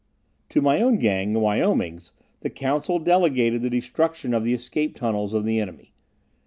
To my own Gang, the Wyomings, the Council delegated the destruction of the escape tunnels of the enemy.